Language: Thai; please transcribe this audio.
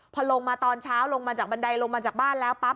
พอลงมาตอนเช้าลงมาจากบันไดลงมาจากบ้านแล้วปั๊บ